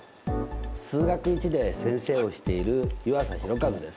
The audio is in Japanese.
「数学Ⅰ」で先生をしている湯浅弘一です。